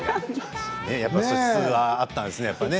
やっぱり素質があったんですね。